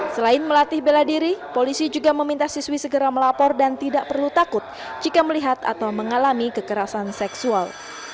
selain melatih bela diri polisi juga meminta siswi segera melapor dan tidak perlu takut jika melihat atau mengalami kekerasan seksual